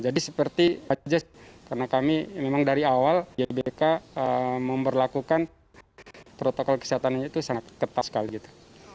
jadi seperti pak jez karena kami memang dari awal gbk memperlakukan protokol kesehatannya itu sangat ketat sekali gitu